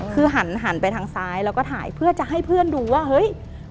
คือหันไปทางซ้ายแล้วก็ถ่ายเพื่อจะให้เพื่อนดูว่าเฮ้ย